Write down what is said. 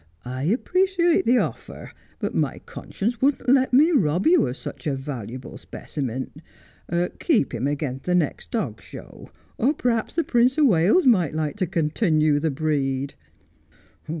' I appreciate the offer, but my conscience wouldn't let me rob you of such a valuable speci raint. Keep him agen the next dog show ; or p'r'aps the Prince o' Wales might like to continoo the breed.'